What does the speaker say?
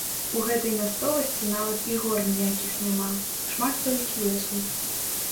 У гэтай мясцовасці нават і гор ніякіх няма, шмат толькі лесу.